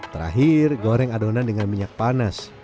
terakhir goreng adonan dengan minyak panas